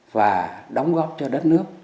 và đóng góp cho đất nước